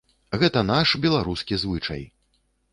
Гэта наш, беларускі звычай.